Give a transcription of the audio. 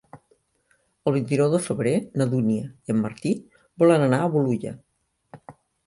El vint-i-nou de febrer na Dúnia i en Martí volen anar a Bolulla.